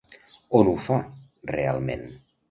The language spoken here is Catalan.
On ho fa realment?